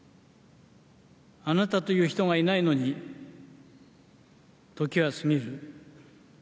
あなたという人がいないのに時は過ぎる。